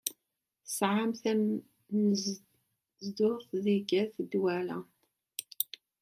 Tesɛamt tanezduɣt deg at Dwala?